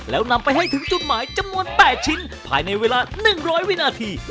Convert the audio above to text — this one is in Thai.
แล้วนำไปให้ถึงจุดหมายจำนวน๘ชิ้นภายในเวลา๑๐๐วินาที